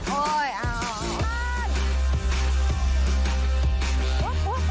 โอ๊ยอ้าว